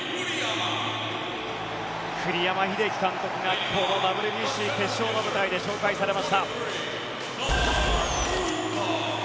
栗山英樹監督がこのＷＢＣ決勝の舞台で紹介されました。